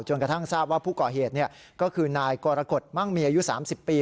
จนกระทั่งทราบว่าผู้ก่อเธดเนี่ยก็คือนายกมมีอายุ๓๐ปี